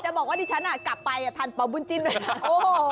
คือจะบอกว่าที่ฉันกลับไปทานป่าวบุญจิ้นเลย